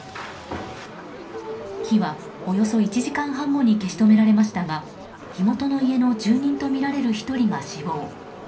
火はおよそ１時間半後に消し止められましたが火元の家の住人とみられる１人が死亡。